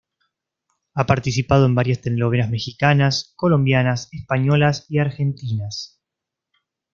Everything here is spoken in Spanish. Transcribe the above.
Ha participado en varias telenovelas mexicanas, colombianas, españolas y argentinas.